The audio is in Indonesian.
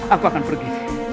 aku akan pergi